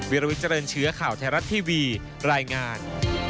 วิลวิเจริญเชื้อข่าวไทยรัฐทีวีรายงาน